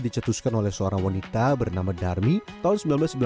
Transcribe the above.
dicetuskan oleh seorang wanita bernama darmi tahun seribu sembilan ratus sembilan puluh